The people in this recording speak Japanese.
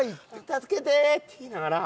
「助けてー」って言いながら。